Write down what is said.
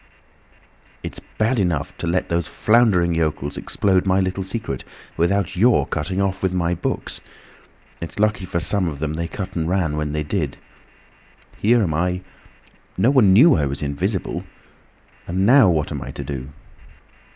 "It's bad enough to let these floundering yokels explode my little secret, without your cutting off with my books. It's lucky for some of them they cut and ran when they did! Here am I ... No one knew I was invisible! And now what am I to do?"